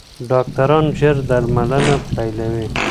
ډاکټران ژر درملنه پیلوي.